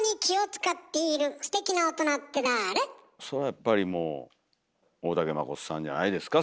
そらやっぱりもう大竹まことさんじゃないですか？